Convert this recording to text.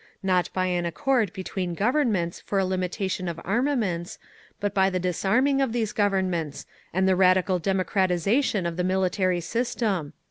Not by an accord between Governments for a limitation of armaments, but by the disarming of these Governments and the radical democratisation of the military system…."